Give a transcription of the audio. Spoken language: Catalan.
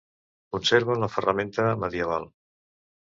Conserva la ferramenta medieval.